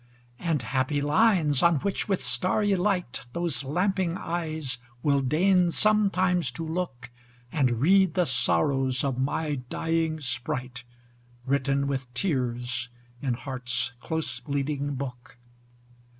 And happy lines, on which with starry light, Those lamping eyes will deign sometimes to look And read the sorrows of my dying sprite, Written with tears in heart's close bleeding book.